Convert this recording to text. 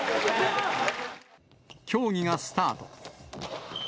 競技がスタート。